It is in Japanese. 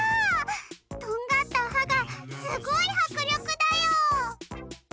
とんがったはがすごいはくりょくだよ！